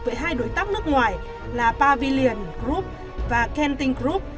với hai đối tác nước ngoài là pavilion group và kenting group